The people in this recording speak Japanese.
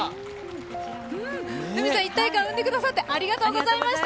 一体感、生んでくださってありがとうございました。